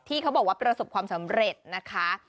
เขาบอกว่าประสบความสำเร็จนะคะ